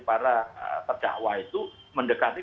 para pejahwa itu mendekati